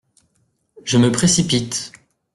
Je me précipite.